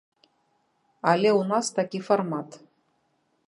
Але ў нас такі фармат.